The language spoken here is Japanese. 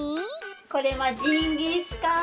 これはジンギスカン？